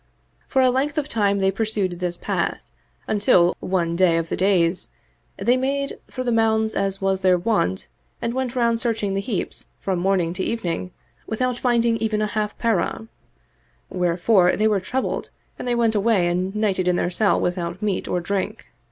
For a length of time they pursued this path until, one day of the days, they made for the mounds as was their wont and went round searching the heaps from morning to evening without finding even a half parah; wherefore they were troubled and they went away and nighted in their cell without meat or drink.